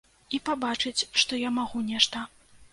І пабачыць, што я магу нешта.